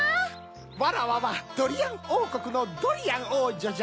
わらわはドリアンおうこくのドリアンおうじょじゃ。